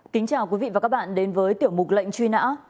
kính chào quý vị và các bạn đến với tiểu mục lệnh truy nã